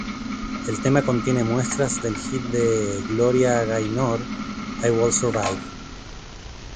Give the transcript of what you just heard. El tema contiene muestras del hit de Gloria Gaynor 'I will Survive'.